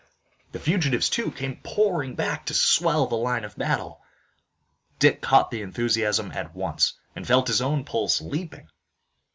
The fugitives too came pouring back to swell the line of battle. Dick caught the enthusiasm at once, and felt his own pulses leaping.